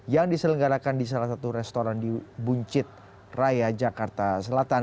yang diselenggarakan di salah satu restoran di buncit raya jakarta selatan